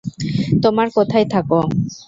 তোমার কোথায় থাকো?